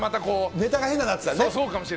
ネタが変になってたかもね。